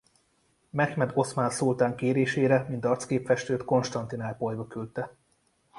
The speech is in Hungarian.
Mehmed oszmán szultán kérésére mint arcképfestőt Konstantinápolyba küldte.